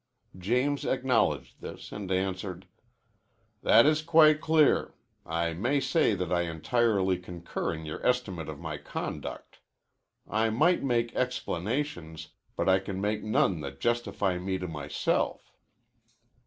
James acknowledged this and answered. "That is quite clear. I may say that I entirely concur in your estimate of my conduct. I might make explanations, but I can make none that justify me to myself."